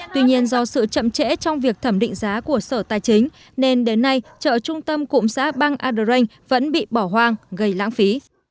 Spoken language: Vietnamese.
tuy nhiên do sự chậm trễ trong việc thẩm định giá của sở tài chính nên đến nay chợ trung tâm cụm xã băng adreinh vẫn bị bỏ hoang gây lãng phí